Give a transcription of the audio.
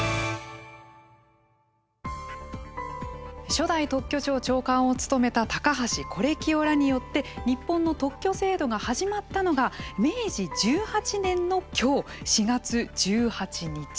初代特許庁長官を務めた高橋是清らによって日本の特許制度が始まったのが明治１８年のきょう、４月１８日。